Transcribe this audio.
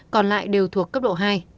còn lại đều thuộc cấp độ hai